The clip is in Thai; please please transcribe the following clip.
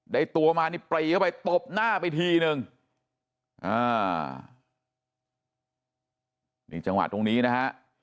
ตัวมานี่ปรีเข้าไปตบหน้าไปทีนึงอ่านี่จังหวะตรงนี้นะฮะ